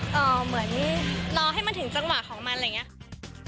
เหมือนรอให้มันถึงจังหวะของมันอะไรอย่างนี้